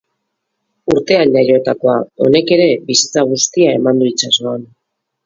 Urtean jaiotakoa, honek ere bizitza guztia eman du itsasoan.